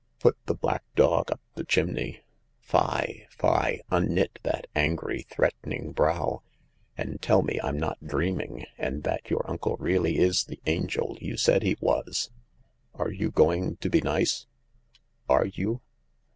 Put the blackdog upthe chimney. Fie, fie ! Unknit that angry, threatening brow, and tell me I'm not dreaming, and that 154 THE LARK your uncle really is the angel you said he was. Are you going to be nice ? Are you